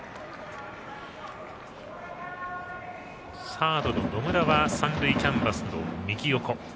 サードの野村は三塁キャンバスの右横。